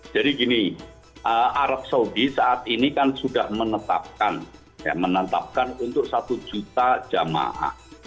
jadi gini arab saudi saat ini kan sudah menetapkan ya menetapkan untuk satu juta jamaah